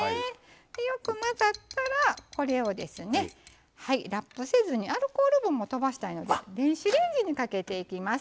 よく混ざったら、これをラップせずにアルコール分もとばしたいので電子レンジにかけていきます。